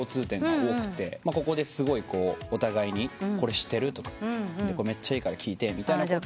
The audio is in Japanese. ここでお互いに「これ知ってる？」とか「めっちゃいいから聴いて」みたいなことを。